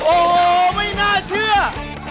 โอ้โหไม่น่าเชื่อ